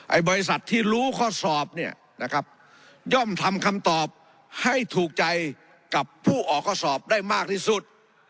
บริษัทที่รู้ข้อสอบเนี่ยนะครับย่อมทำคำตอบให้ถูกใจกับผู้ออกข้อสอบได้มากที่สุด